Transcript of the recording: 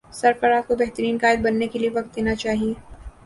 سرفراز کو بہترین قائد بننے کے لیے وقت دینا چاہیے